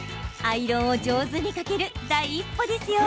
アイロンを上手にかける第一歩ですよ。